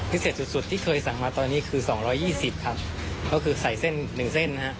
พิเศษสุดที่เคยสั่งมาตอนนี้คือ๒๒๐ครับก็คือใส่เส้น๑เส้นเนี่ยฮะ